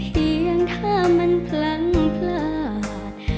เพียงถ้ามันพลั้งพลาด